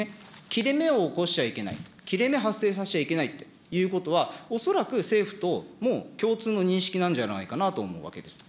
切れ目を起こしちゃいけない、切れ目を発生しちゃいけないということは、恐らく、政府ともう共通の認識なんじゃないかと思うわけです。